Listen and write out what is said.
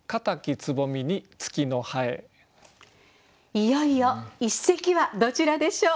いよいよ一席はどちらでしょう。